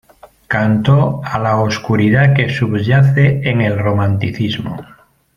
Cantó a la oscuridad que subyace en el romanticismo.